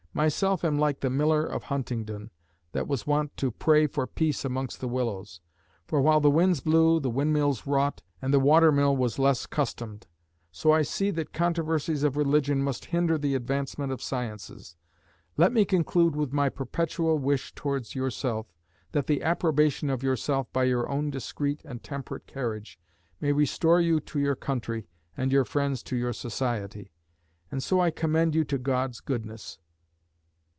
Myself am like the miller of Huntingdon, that was wont to pray for peace amongst the willows; for while the winds blew, the wind mills wrought, and the water mill was less customed. So I see that controversies of religion must hinder the advancement of sciences. Let me conclude with my perpetual wish towards yourself, that the approbation of yourself by your own discreet and temperate carriage, may restore you to your country, and your friends to your society. And so I commend you to God's goodness.